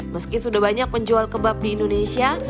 meski sudah banyak penjual kebab di indonesia